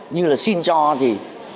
như là xin cho thì